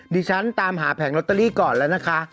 ตามหาแผงลอตเตอรี่ก่อนแล้วนะคะ